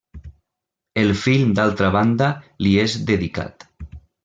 El film d'altra banda, li és dedicat.